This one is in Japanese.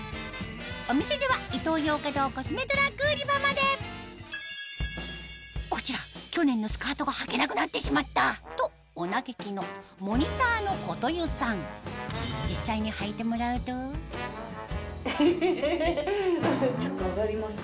お店ではこちら去年のスカートがはけなくなってしまったとお嘆きのモニターのことゆさん実際にはいてもらうとチャック上がりますか？